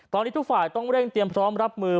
ตอนนี้ทุกฝ่ายต้องเร่งเตรียมพร้อมรับมือ